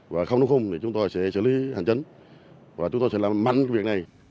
và không đúng không thì chúng tôi sẽ xử lý hành trận và chúng tôi sẽ làm mạnh việc này